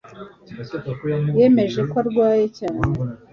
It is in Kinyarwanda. Yemeje ko arwaye cyane